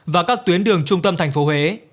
và các tuyến đường trung tâm thành phố huế